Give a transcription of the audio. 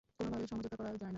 কোনোভাবে সমঝোতা করা যায় না?